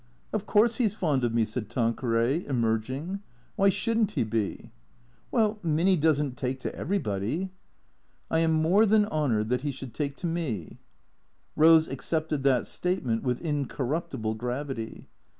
" Of course he 's fond of me," said Tanqueray, emerging, " Why should n't he be ?"" Well, Minny does n't take to everybody," " I am more than honoured that he should take to me." • Eose accepted that statement with incorruptible gravity.